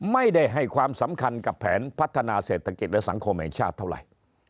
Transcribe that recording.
ไม่ได้ให้ความสำคัญกับแผนพัฒนาเศรษฐกิจและสังคมแห่งชาติเท่าไหร่